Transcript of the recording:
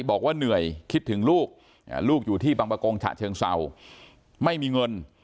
บอกว่าเหนื่อยคิดถึงลูกลูกอยู่ที่บางประกงฉะเชิงเศร้าไม่มีเงิน